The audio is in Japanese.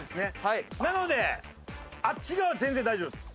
なのであっち側は全然大丈夫です。